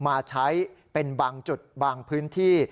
มาใช้เป็นบางจุดบางพื้นที่